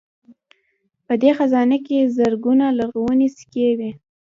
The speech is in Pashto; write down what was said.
په دې خزانه کې زرګونه لرغونې سکې وې